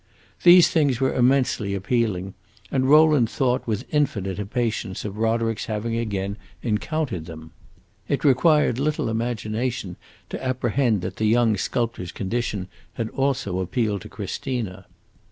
These things were immensely appealing, and Rowland thought with infinite impatience of Roderick's having again encountered them. It required little imagination to apprehend that the young sculptor's condition had also appealed to Christina.